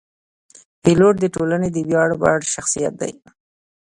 پیلوټ د ټولنې د ویاړ وړ شخصیت دی.